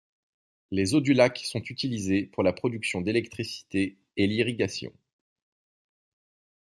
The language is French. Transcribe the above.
Les eaux du lac sont utilisées pour la production d'électricité et l'irrigation.